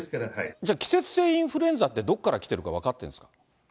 じゃあ季節性インフルエンザって、どこから来てるか分かってるんですか？